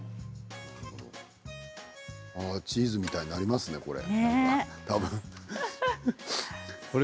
チーズみたいになりますねこれ。